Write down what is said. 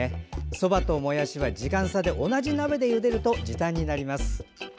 そばともやしは時間差で同じ鍋でゆでると時短になります。